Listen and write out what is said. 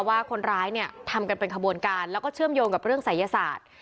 ว่าคนร้ายเนี่ยทำกันเป็นขบวนการแล้วก็เชื่อมโยงกับเรื่องศัยศาสตร์